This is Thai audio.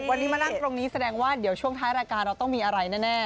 วันนี้มานั่งตรงนี้แสดงว่าเดี๋ยวช่วงท้ายรายการเราต้องมีอะไรแน่